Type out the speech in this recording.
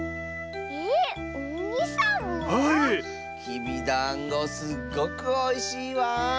きびだんごすっごくおいしいワン！